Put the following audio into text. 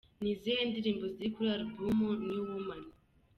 Ni izihe ndirimbo ziri kuri album New Woman?.